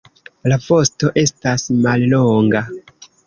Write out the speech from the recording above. La vosto estas mallonga.